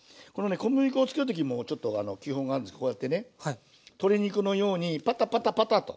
小麦粉をつける時もちょっと基本があるんですけどこうやってね鶏肉のようにパタパタパタと。